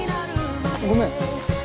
ごめん。